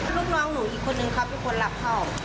ลูกน้องหนูอีกคนนึงเขาเป็นคนรับเข้า